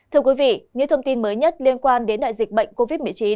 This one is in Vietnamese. thưa quý vị những thông tin mới nhất liên quan đến đại dịch bệnh covid một mươi chín